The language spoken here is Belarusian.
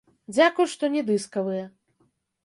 Дзякуй, што не дыскавыя.